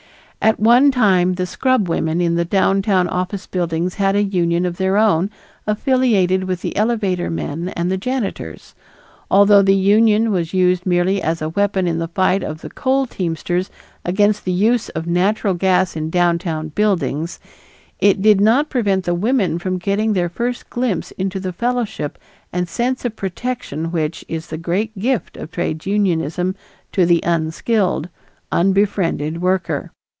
At one time the scrubwomen in the downtown office buildings had a union of their own affiliated with the elevator men and the janitors. Although the union was used merely as a weapon in the fight of the coal teamsters against the use of natural gas in downtown buildings, it did not prevent the women from getting their first glimpse into the fellowship and the sense of protection which is the great gift of trades unionism to the unskilled, unbefriended worker.